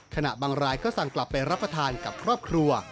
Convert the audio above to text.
บางรายก็สั่งกลับไปรับประทานกับครอบครัว